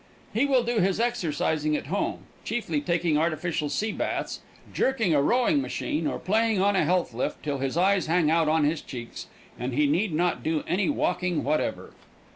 He will do his exercising at home, chiefly taking artificial sea baths, jerking a rowing machine or playing on a health lift till his eyes hang out on his cheeks, and he need not do any walking whatever.